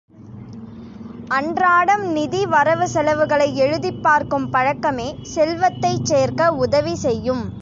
அன்றாடம் நிதி வரவு செலவுகளை எழுதிப் பார்க்கும் பழக்கமே செல்வத்தைச் சேர்க்க உதவி செய்யும்.